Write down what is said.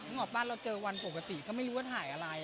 ออกบ้านเราเจอวันปกติก็ไม่รู้ว่าถ่ายอะไร